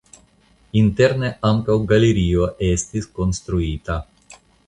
Interne ankaŭ galerio estis konstruita.